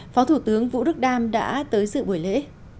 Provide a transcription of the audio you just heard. phó thủ tướng vũ đức đam đã tới sự buổi lễ